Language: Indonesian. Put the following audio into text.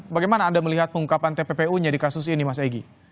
bagaimana anda melihat pengungkapan tppu nya di kasus ini mas egy